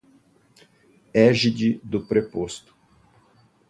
égide do preposto